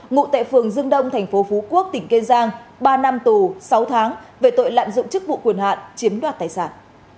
ngụ tại phường dương đông tp phú quốc tỉnh kiên giang ba năm tù sáu tháng về tội lạm dụng chức vụ quyền hạn chiếm đoạt tài sản